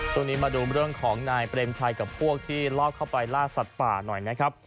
ช่วงนี้มาดูเรื่องของนายเปรมชัยกับพวกที่ลอบเข้าไปล่าสัตว์ป่าหน่อยนะครับ